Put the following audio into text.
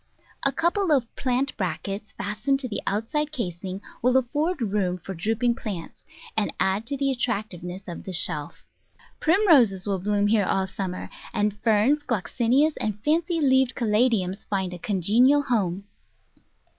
A couple of plant brackets fastened to the outside casing will afford room for drooping plants, and add to the attractiveness of the shelf. Primroses will bloom here all summer, and Ferns, Gloxinias, and fancy leaved Caladiums find a congenial home.